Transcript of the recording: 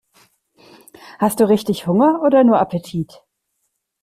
Hast du richtig Hunger oder nur Appetit?